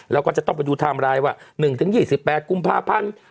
แล้วก็จะต้องไปดูทำอะไรว่า๑ถึง๒๘กุมภาพันธ์